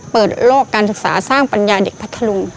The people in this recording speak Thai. เปิดโลกการศึกษาสร้างปัญญาเด็กพัทธลุง